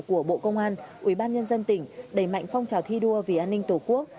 của bộ công an ubnd tỉnh đẩy mạnh phong trào thi đua vì an ninh tổ quốc